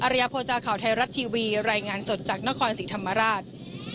ริยโภจาข่าวไทยรัฐทีวีรายงานสดจากนครศรีธรรมราช